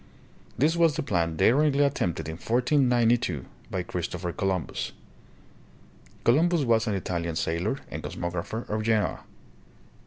This was the plan daringly attempted in 1492 by Christopher Columbus. Columbus was an Italian sailor and cosm'ographer of Genoa.